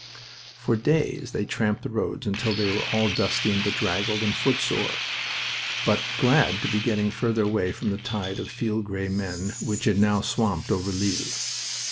For days they tramped the roads until they were all dusty and bedraggled and footsore, but glad to be getting farther away from that tide of field gray men which had now swamped over Lille.